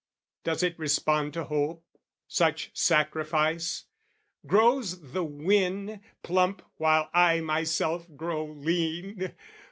Does it respond to hope, such sacrifice, Grows the wen plump while I myself grow lean?